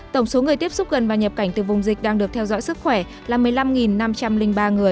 tổng số người tiếp xúc gần và nhập cảnh từ vùng dịch đang được theo dõi sức khỏe là một mươi năm năm trăm linh ba người